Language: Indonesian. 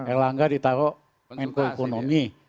erlangga ditaruh menko ekonomi